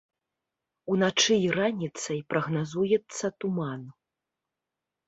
Уначы і раніцай прагназуецца туман.